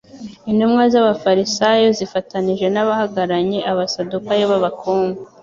Intumwa z'abafarisayo zifatanije n'abahagaranye abasadukayo b'abakungu